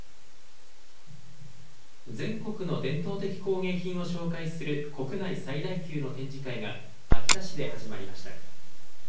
全国の伝統的工芸品を紹介する国内最大級の展示会が秋田市で始まりました。